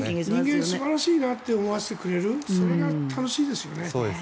人間、素晴らしいなと思わせてくれるそれが楽しいですよね。